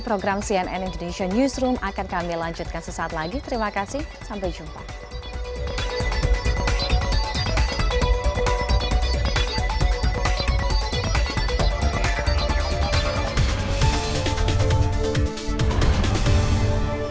pameran ini akan memperkenalkan seni dengan mengeksplorasi kehidupan bintang